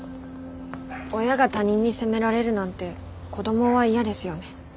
親が他人に責められるなんて子どもは嫌ですよね。